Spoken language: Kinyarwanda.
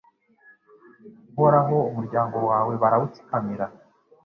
Uhoraho umuryango wawe barawutsikamira